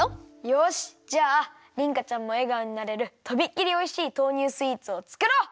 よしじゃありんかちゃんもえがおになれるとびっきりおいしい豆乳スイーツをつくろう！